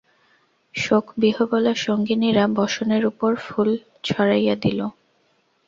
শোকবিহ্বলা সঙ্গিনীরা বসনের উপর ফুল ছড়াইয়া দিল।